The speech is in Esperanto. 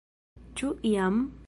Ĉu jam?